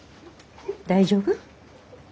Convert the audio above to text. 大丈夫？